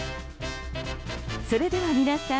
それでは皆さん